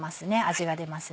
味が出ます。